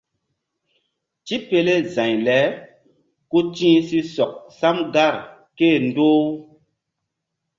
Tipele za̧y le ku ti̧h si sɔk sam gar ké-e ndoh-u.